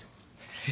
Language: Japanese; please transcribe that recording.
えっ？